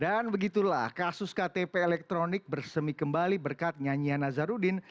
dan begitulah kasus ktp elektronik bersemi kembali berkat nyanyian nazarudin